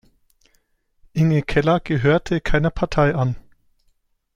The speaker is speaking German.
Inge Keller gehörte keiner Partei an.